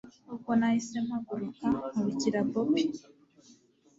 ubwo nahise mpaguruka nkurikira bobi